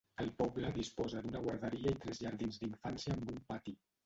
El poble disposa d'una guarderia i tres jardins d'infància amb un pati.